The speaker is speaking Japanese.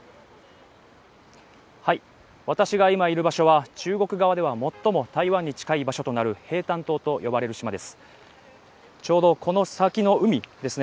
私が今いる場所は中国側では最も台湾に近い場所となる平潭島と呼ばれる島です